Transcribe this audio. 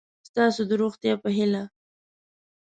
ستاسو د روغتیا په هیله